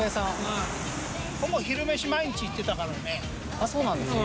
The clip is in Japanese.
あっそうなんですか。